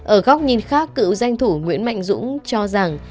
ở góc nhìn khác cựu danh thủ nguyễn mạnh dũng cho rằng